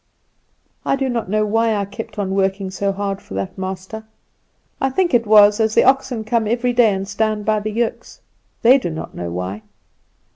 "I do not know why I kept on working so hard for that master. I think it was as the oxen come every day and stand by the yokes; they do not know why.